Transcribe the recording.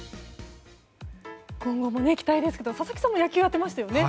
今後も期待ですけど佐々木さんも野球やってましたよね。